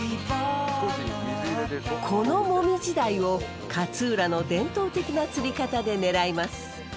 このモミジダイを勝浦の伝統的な釣り方で狙います。